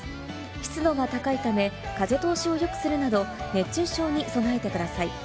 湿度が高いため、風通しをよくするなど、熱中症に備えてください。